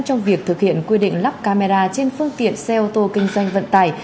trong việc thực hiện quy định lắp camera trên phương tiện xe ô tô kinh doanh vận tải